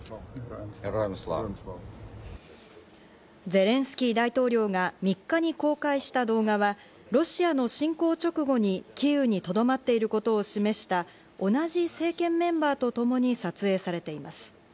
ゼレンスキー大統領が３日に公開した動画はロシアの侵攻直後に、キーウにとどまっていることを示した、同じ政権メンバーとともに撮影されています。